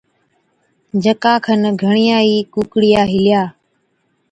جڪا کن گھڻِيا ئِي ڪُوڪڙِيا هِلِيا۔